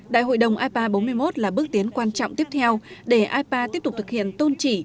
đại hội đồng ipa bốn mươi một là bước tiến quan trọng tiếp theo để ipa tiếp tục thực hiện tôn trị